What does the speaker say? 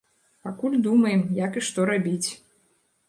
Пакуль думаем, як і што рабіць.